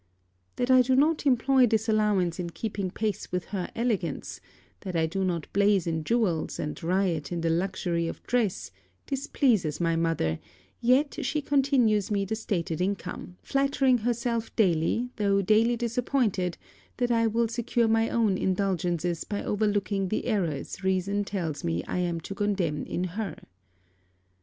That I do not employ this allowance in keeping pace with her elegance, that I do not blaze in jewels, and riot in the luxury of dress, displeases my mother; yet she continues me the stated income, flattering herself daily though daily disappointed that I will secure my own indulgencies by overlooking the errors reason tells me I am to condemn in her.